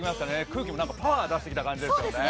空気もパワー出してきた感じですよね。